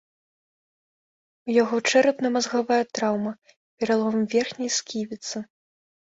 У яго чэрапна-мазгавая траўма, пералом верхняй сківіцы.